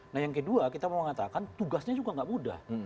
nah yang kedua kita mau mengatakan tugasnya juga nggak mudah